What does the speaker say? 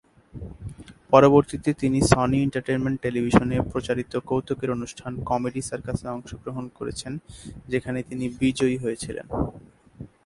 পরবর্তীতে, তিনি Sony Entertainment টেলিভিশনে প্রচারিত কৌতুকের অনুষ্ঠান কমেডি সার্কাসে অংশগ্রহণ করেছেন; যেখানে তিনি বিজয়ী হয়েছিলেন।